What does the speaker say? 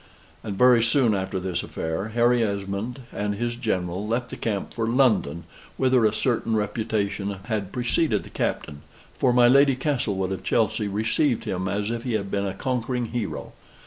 And very soon after this affair Harry Esmond and his General left the camp for London; whither a certain reputation had preceded the Captain, for my Lady Castlewood of Chelsey received him as if he had been a conquering hero.